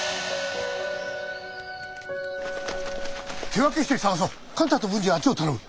手分けして捜そう。